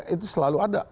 itu selalu ada